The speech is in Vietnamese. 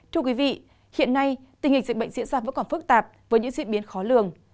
thưa quý vị hiện nay tình hình dịch bệnh diễn ra vẫn còn phức tạp với những diễn biến khó lường